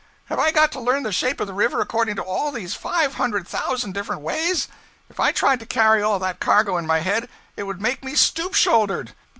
Have I got to learn the shape of the river according to all these five hundred thousand different ways? If I tried to carry all that cargo in my head it would make me stoop shouldered.'